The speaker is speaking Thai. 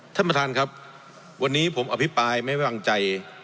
ท่านประธานครับวันนี้ผมอภิปรายไม่ไว้วางใจ